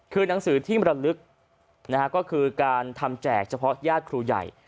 คือหนังสือที่มรลึกก็คือการทำแจกเฉพาะญาติครูใหญ่